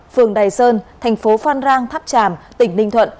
phường đài sơn thành phố phan rang tháp tràm tỉnh ninh thuận